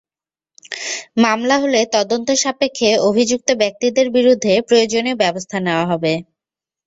মামলা হলে তদন্ত সাপেক্ষে অভিযুক্ত ব্যক্তিদের বিরুদ্ধে প্রয়োজনীয় ব্যবস্থা নেওয়া হবে।